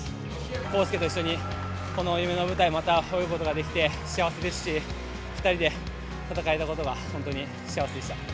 公介と一緒に、この夢の舞台、また泳ぐことができて幸せですし、２人で戦えたことが本当に幸せでした。